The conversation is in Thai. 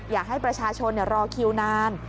อยากให้ประชาชนรอคิวนาน